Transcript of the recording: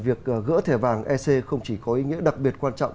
việc gỡ thẻ vàng ec không chỉ có ý nghĩa đặc biệt quan trọng